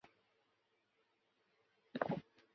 抽出半天的时间